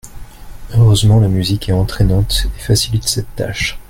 Heureusement la musique est entrainante et facilite cette tâche